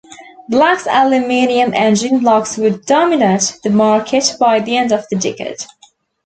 Black's aluminum engine blocks would dominate the market by the end of the decade.